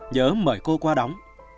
nhớ mời cô qua đóng